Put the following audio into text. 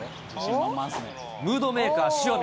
ムードメーカー、塩見。